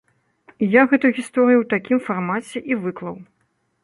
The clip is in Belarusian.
І я гэтую гісторыю ў такім фармаце і выклаў.